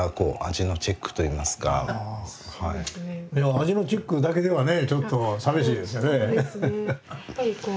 味のチェックだけではねちょっと寂しいですよね。